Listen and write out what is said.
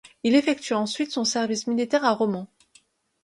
Il effectue ensuite son service militaire à Romans.